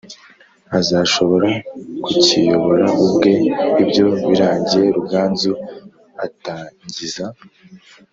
Azashobora kukiyobora ubwe ibyo birangiye ruganzu atangiza